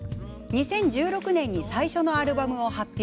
２０１６年に最初のアルバムを発表。